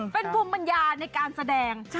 เป็นความบรรยาในการแสดง